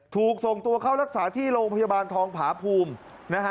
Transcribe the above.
ถูกส่งตัวเข้ารักษาที่โรงพยาบาลทองผาภูมินะฮะ